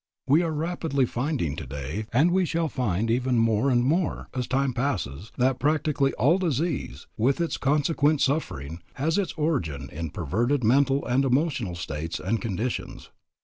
We are rapidly finding today, and we shall find even more and more, as time passes, that practically all disease, with its consequent suffering, has its origin in perverted mental and emotional states and conditions.